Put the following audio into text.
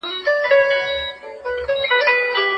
کلتوري نندارتونونه د هیوادونو پیژندنه زیاتوي.